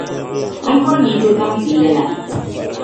m bɔri ni yi ti baŋ ti yɛla.